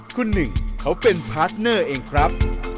คุณหนึ่งเขาเป็นพาร์ทเนอร์เองครับ